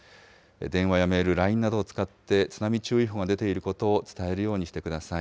電話やメール、ＬＩＮＥなどを使って、津波注意報が出ていることを伝えるようにしてください。